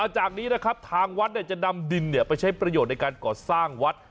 จากนี้นะครับทางวัดจะนำดินไปใช้ประโยชน์ในการก่อสร้างวัด